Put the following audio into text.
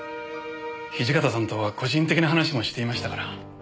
土方さんとは個人的な話もしていましたから。